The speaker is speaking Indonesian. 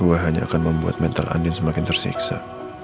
bahwa hanya akan membuat mental andin semakin tersiksa